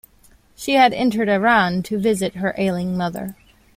She had entered Iran to visit her ailing mother.